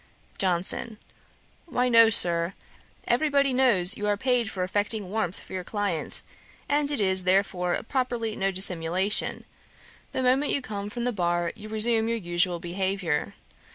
JOHNSON. 'Why no, Sir. Everybody knows you are paid for affecting warmth for your client; and it is, therefore, properly no dissimulation: the moment you come from the bar you resume your usual behaviour.